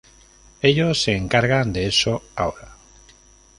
Ellos se encargan de eso ahora.